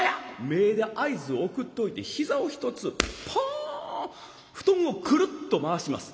目で合図を送っといて膝を１つポーン布団をクルッと回します。